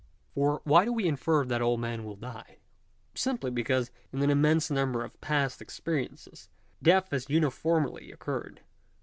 For why do we infer that all men will die ? Simply because, n^ ft an immense number of past experiences, death has uniforp^ly occurred.